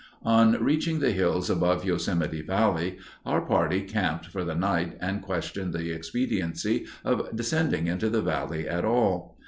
On reaching the hills above Yosemite Valley, our party camped for the night, and questioned the expediency of descending into the Valley at all.